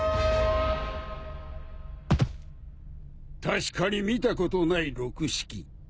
確かに見たことない六式。